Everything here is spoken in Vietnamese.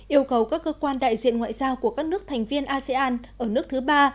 yêu cầu các cơ quan đại diện ngoại giao của các nước thành viên asean ở nước thứ ba